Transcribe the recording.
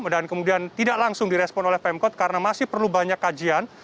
dan kemudian tidak langsung direspon oleh pemkot karena masih perlu banyak kajian